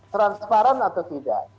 transparan atau tidak